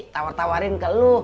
tawar tawarin ke lo